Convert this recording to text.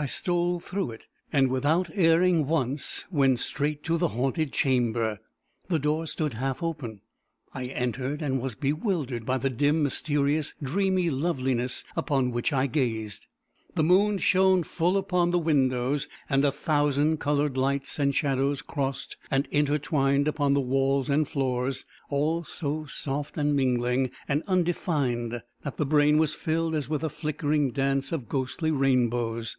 I stole through it, and, without erring once, went straight to the haunted chamber. The door stood half open. I entered, and was bewildered by the dim, mysterious, dreamy loveliness upon which I gazed. The moon shone full upon the windows, and a thousand coloured lights and shadows crossed and intertwined upon the walls and floor, all so soft, and mingling, and undefined, that the brain was filled as with a flickering dance of ghostly rainbows.